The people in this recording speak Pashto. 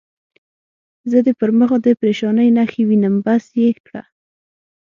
زه دې پر مخ د پرېشانۍ نښې وینم، بس یې کړه.